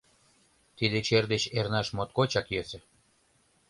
Тиде чер деч эрнаш моткочак йӧсӧ.